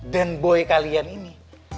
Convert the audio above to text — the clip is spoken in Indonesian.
denboy kalian ini